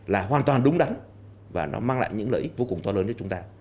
là hoàn toàn đúng đắn và nó mang lại những lợi ích vô cùng to lớn cho chúng ta